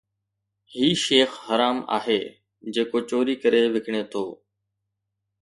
هي شيخ حرام آهي جيڪو چوري ڪري وڪڻي ٿو